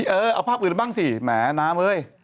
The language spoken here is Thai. เออเอาภาพอื่นบ้างสิแหมน้ำเฮ้ย